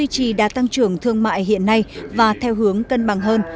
trì đã tăng trưởng thương mại hiện nay và theo hướng cân bằng hơn